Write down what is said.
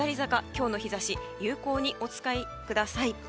今日の日差しを有効にお使いください。